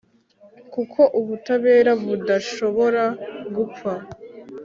kuko ubutabera budashobora gupfa